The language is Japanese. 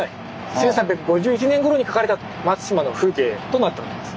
１３５１年ごろに描かれた松島の風景となっております。